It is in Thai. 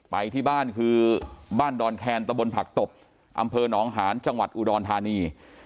ไปที่บ้านคือบ้านดอนแคนตะบนผักตบอำเภอหนองหานจังหวัดอุดรธานี